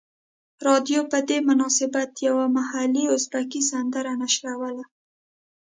رادیو په دې مناسبت یوه محلي ازبکي سندره نشروله.